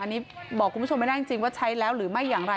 อันนี้บอกคุณผู้ชมไม่ได้จริงว่าใช้แล้วหรือไม่อย่างไร